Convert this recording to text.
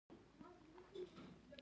ایا ستاسو تشه به ډکه نه شي؟